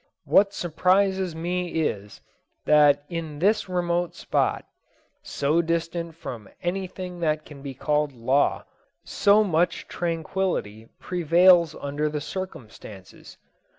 What surprises me is, that in this remote spot, so distant from anything that can be called Law, so much tranquillity prevails under the circumstances.